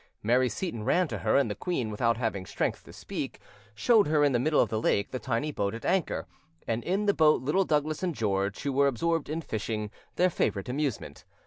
Mary Seyton ran to her, and the queen, without having strength to speak, showed her in the middle of the lake the tiny boat at anchor, and in the boat Little Douglas and George, who were absorbed in fishing, their favourite amusement.